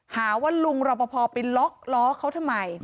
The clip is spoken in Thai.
หาว่าลุงรอปภไปล็อกล้อเขาทำไม